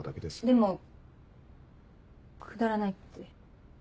でも「くだらない」って。